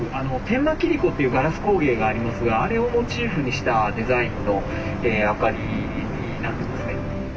天満切子っていうガラス工芸がありますがあれをモチーフにしたデザインの明かりになってますね。